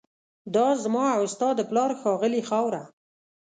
دا زما او ستا د پلار ښاغلې خاوره